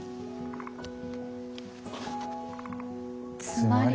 つまり？